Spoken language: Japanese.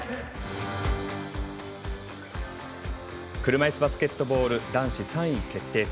車いすバスケットボール男子３位決定戦。